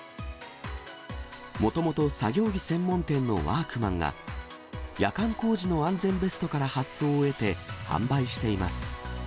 もともと作業着専門店のワークマンが、夜間工事の安全ベストから発想を得て販売しています。